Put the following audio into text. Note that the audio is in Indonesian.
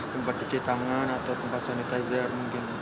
tempat cuci tangan atau tempat sanitizer mungkin